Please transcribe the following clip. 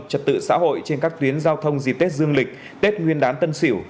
trật tự xã hội trên các tuyến giao thông dịp tết dương lịch tết nguyên đán tân sỉu